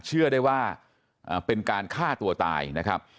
เชื่อได้ว่าเป็นการฆ่าตัวตายนะครับ